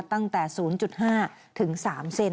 ตั้งแต่๐๕ถึง๓เซน